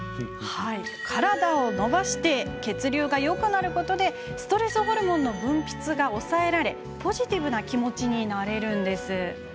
体を伸ばして血流がよくなることでストレスホルモンの分泌が抑えられポジティブな気持ちになれるのです。